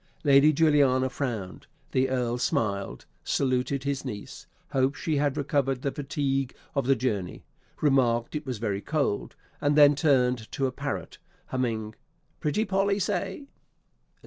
Lady Juliana frowned the Earl smiled saluted his niece hoped she had recovered the fatigue of the journey remarked it was very cold; and then turned to a parrot, humming "Pretty Poll, say," etc.